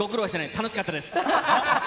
楽しかったです。